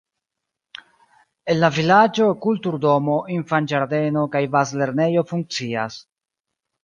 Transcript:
En la vilaĝo kulturdomo, infanĝardeno kaj bazlernejo funkcias.